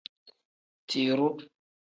Tiruu.